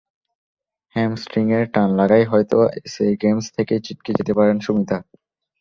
হ্যামস্ট্রিংয়ে টান লাগায় হয়তো এসএ গেমস থেকেই ছিটকে যেতে পারেন সুমিতা।